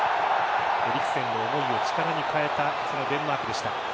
エリクセンの思いを力に変えたデンマークでした。